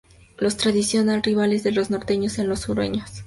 Los tradicional rivales de los norteños son los sureños.